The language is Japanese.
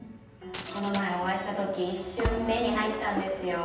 この前お会いした時一瞬目に入ったんですよ。